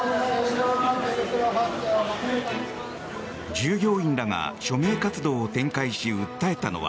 従業員らが署名活動を展開し、訴えたのは